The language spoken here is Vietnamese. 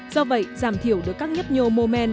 do vậy giảm thiểu được các nhấp nhô mô men